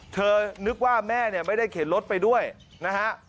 เธอนึกว่าแม่ไม่ได้เข็นรถไปด้วยนะครับ